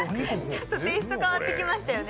ちょっとテイスト変わってきましたよね。